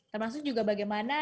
termasuk juga bagaimana